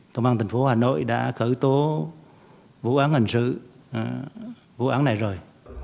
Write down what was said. thông an tp hà nội đã khởi tố vụ án hành sự vụ án này rồi